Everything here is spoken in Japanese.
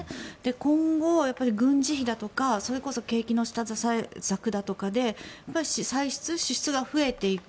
今後、軍事費だとかそれこそ景気の下支え策だとかで歳出、支出が増えていく。